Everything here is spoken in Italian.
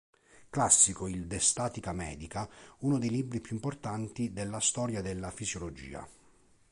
Classico il "De statica medica": uno dei libri più importanti della storia della fisiologia.